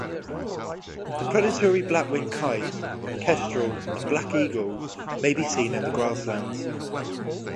The predatory black-winged kite, kestrel and black eagle may be seen in the grasslands.